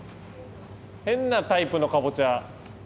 変なタイプのかぼちゃ。